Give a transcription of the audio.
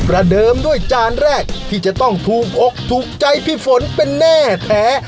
ระเดิมด้วยจานแรกที่จะต้องถูกอกถูกใจพี่ฝนเป็นแน่แท้